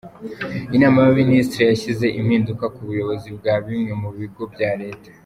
Inama y’Abaminisitiri yashyize impinduka mu buyobozi bwa bimwe mu bigo bya Leta.